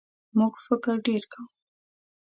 موږ فکر ډېر کوو.